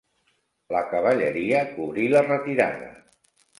La cavalleria cobrí la retirada.